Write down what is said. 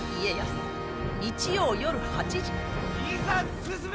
いざ進め！